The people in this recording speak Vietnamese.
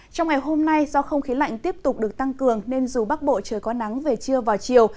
trong ngày hôm nay do không khí lạnh tiếp tục được tăng cường nên dù bắc bộ trời có nắng về trưa vào chiều